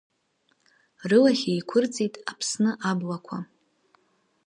Рылахь еиқәырҵеит Аԥсны аблақәа.